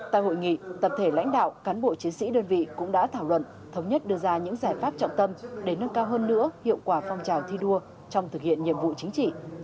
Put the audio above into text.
tại hội nghị tập thể lãnh đạo cán bộ chiến sĩ đơn vị cũng đã thảo luận thống nhất đưa ra những giải pháp trọng tâm để nâng cao hơn nữa hiệu quả phong trào thi đua trong thực hiện nhiệm vụ chính trị